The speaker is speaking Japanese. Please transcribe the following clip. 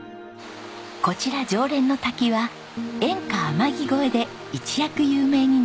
こちら浄蓮の滝は演歌『天城越え』で一躍有名になりました。